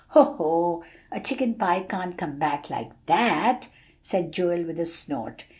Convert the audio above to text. "Hoh hoh a chicken pie can't come back like that," said Joel, with a snort.